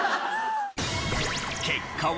結果は。